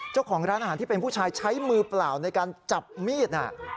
เจ้าของร้านอาหารที่เป็นผู้ชายใช้มือเปล่าในการจับมีด